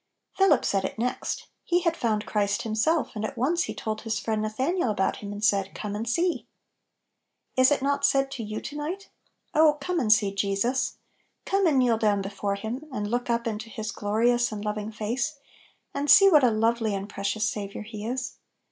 " Philip said it next He had found Christ himself, and at once he told his friend Nathanael about Him, and said, " Come and see !" Is it not said to you to night? Oh "Come and see" Jesus I Come and kneel down before Him, and look up into His glorious and loving face, and see what a lovely and precious Saviour He is!